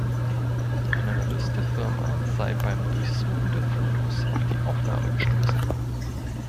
Ein Analyst der Firma sei beim Durchsuchen der Fotos auf die Aufnahme gestoßen.